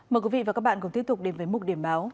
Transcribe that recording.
mời quý vị và các bạn cùng tiếp tục đến với mục điểm báo